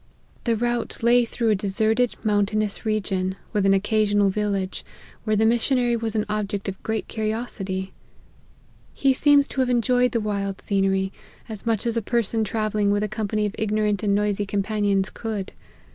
The route lay through a LIFE OF HENRY MARTYN. 185 deserted mountainous region, with an occasional village, where the missionary was an object of great curiosity. He seems to have enjoyed the wild scenery, as much as a person travelling with a company of ignorant and noisy companions could.